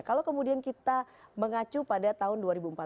kalau kemudian kita mengacu pada tahun dua ribu empat belas